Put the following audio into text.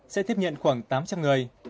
sẽ thiếp nhận khoảng tám trăm linh người